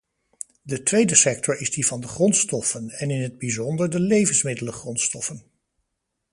De tweede sector is die van de grondstoffen, en in het bijzonder de levensmiddelengrondstoffen.